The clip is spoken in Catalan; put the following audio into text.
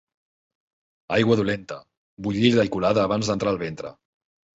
Aigua dolenta, bullida i colada abans d'entrar al ventre.